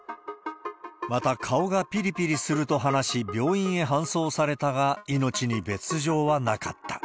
また、顔がぴりぴりすると話し、病院へ搬送されたが、命に別状はなかった。